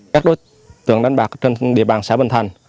các đối tượng đánh bạc trên địa bàn xã bình thành